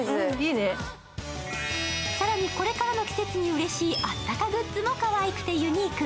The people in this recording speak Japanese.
更にこれからの季節にうれしいあったかグッズもかわいくてユニーク。